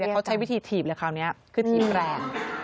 เขาใช้วิธีถีบเลยคราวนี้คือถีบแรง